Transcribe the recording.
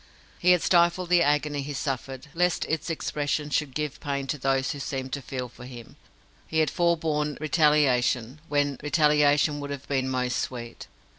He had stifled the agony he suffered, lest its expression should give pain to those who seemed to feel for him. He had forborne retaliation, when retaliation would have been most sweet.